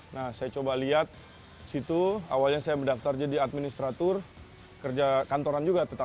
nah saya coba lihat situ awalnya saya mendaftar jadi administrator kerja kantoran juga